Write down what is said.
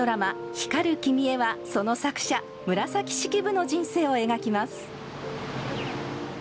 「光る君へ」は、その作者紫式部の人生を描きます。